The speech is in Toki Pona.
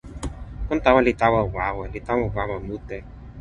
kon tawa li tawa wawa, li tawa wawa mute.